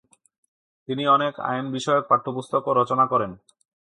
তিনি অনেক আইন বিষয়ক পাঠ্যপুস্তকও রচনা করেন।